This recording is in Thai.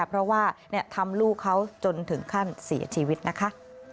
เพราะว่าทำลูกเขาจนถึงขั้นเสียชีวิตนะคะ